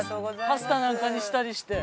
パスタなんかにしたりして。